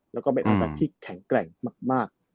แล้วก็เป็นอาจักรที่แข็งแกร่งมาก